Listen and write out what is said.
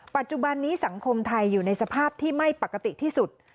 ปัจจุบันนี้สังคมไทยอยู่ในสภาพที่ไม่ปกติที่สุด